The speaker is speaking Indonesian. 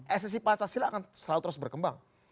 esensi pancasila akan selalu terus berkembang